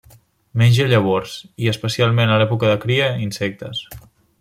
Menja llavors i, especialment a l'època de cria, insectes.